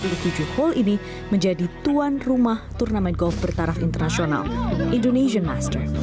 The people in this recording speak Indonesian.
pertama kali berlaku di tempat ini adalah berita dari pertama ketua rumah turnamen golf bertaraf internasional indonesian master